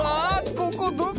ここどこ？